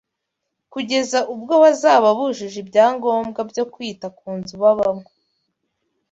kugeza ubwo bazaba bujuje ibyangombwa byo kwita ku nzu babamo